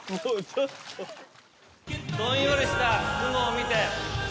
どんよりした雲を見て。